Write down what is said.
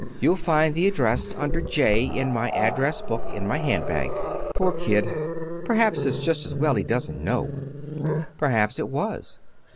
You'll find the address under J. in my address book in my handbag. Poor kid. Perhaps it's just as well he doesn't know." Perhaps it was.